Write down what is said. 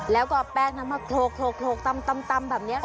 แล้วก็เอาแป้งนั้นมาโคลกตำแบบนี้